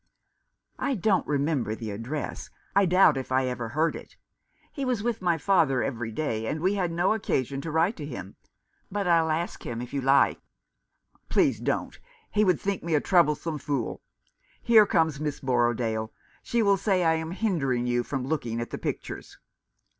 "I don't remember the address — I doubt if I ever heard it. He was with my father every day, and we had no occasion to write to him. But I'll ask him, if you like." " Please don't ; he would think me a troublesome fool. Here comes Miss Borrodaile. She will say I am hindering you from looking at the pictures."